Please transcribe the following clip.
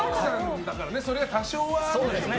それは多少はね。